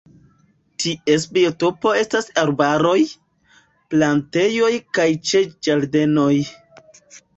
Ties biotopo estas arbaroj, plantejoj kaj ĉe ĝardenoj.